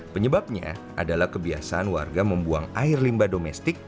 penyebabnya adalah kebiasaan warga membuang air limba domestik